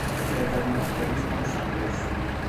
There were no trains on Sundays.